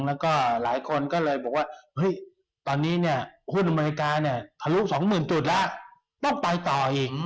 แล้วก็หลายคนก็เลยบอกว่าเฮ้ยตอนนี้เนี่ยหุ้นอเมริกาเนี่ยทะลุ๒๐๐๐จุดแล้วต้องไปต่ออีก